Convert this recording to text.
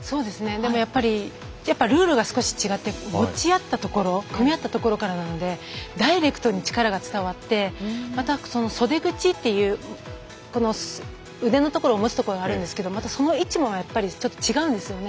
でも、やっぱりルールが少し違って持ち合ったところ組み合ったところからなのでダイレクトに力が伝わってまた袖口というこの腕の持つところがあるんですけどまたその位置もやっぱりちょっと違うんですよね。